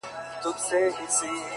روح مي لا ورک دی؛ روح یې روان دی؛